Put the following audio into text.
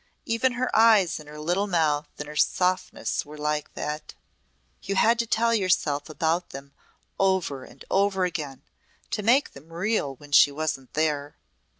Even her eyes and her little mouth and her softness were like that. You had to tell yourself about them over and over again to make them real when she wasn't there!"